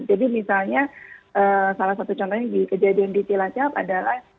jadi misalnya salah satu contohnya di kejadian di cilacap adalah